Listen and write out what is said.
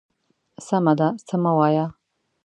_سمه ده، څه مه وايه.